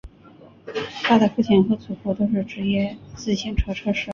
他的父亲和祖父都是职业自行车车手。